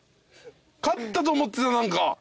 勝ったと思ってた何か。